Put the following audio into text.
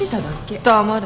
黙れ。